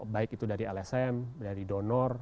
baik itu dari lsm dari donor